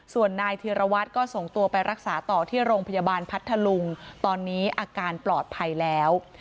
ส่วนนายธีรวัตรก็ส่งตัวไปรักษาต่อที่โรงพยาบาลพัทธลุงตอนนี้อาการปลอดภัยแล้ว